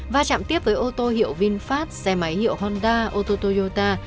và chạm tiếp với ô tô hiệu vinfast xe máy hiệu honda ô tô toyota